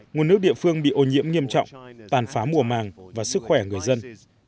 nguồn nước địa phương bị ô nhiễm nghiêm trọng tàn phá mùa màng và sức khỏe người dân